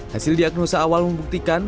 hasil diagnosa awal membuktikan